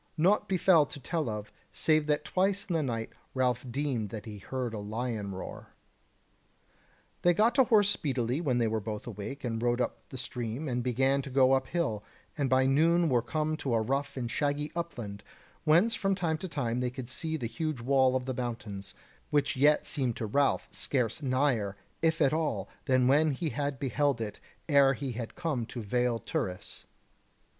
Naught befell to tell of, save that twice in the night Ralph deemed that he heard a lion roar. They got to horse speedily when they were both awake, and rode up the stream, and began to go up hill, and by noon were come into a rough and shaggy upland, whence from time to time they could see the huge wall of the mountains, which yet seemed to Ralph scarce nigher, if at all, than when he had beheld it ere he had come to Vale Turris.